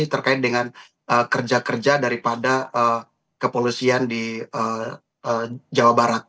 terkait dengan kerja kerja daripada kepolisian di jawa barat